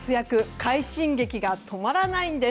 快進撃が止まらないんです。